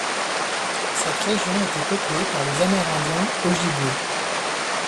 Cette région était peuplée par les Amérindiens Ojibwés.